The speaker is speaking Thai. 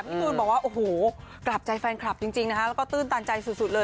ตูนบอกว่าโอ้โหกลับใจแฟนคลับจริงนะคะแล้วก็ตื้นตันใจสุดเลย